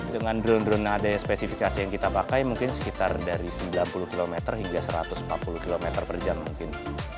dengan drone drone daya spesifikasi yang kita pakai mungkin sekitar dari sembilan puluh km hingga satu ratus empat puluh km per jam mungkin